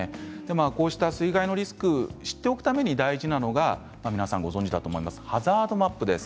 こうした水害のリスクを知っておくために大事なのが皆さん、ご存じだと思いますハザードマップです。